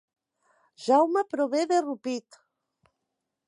Jaume prové de Rupit